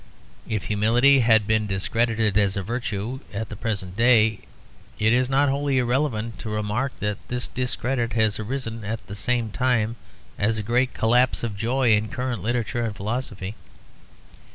If humility has been discredited as a virtue at the present day, it is not wholly irrelevant to remark that this discredit has arisen at the same time as a great collapse of joy in current literature and philosophy.